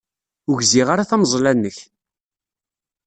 Ur gziɣ ara tameẓla-nnek.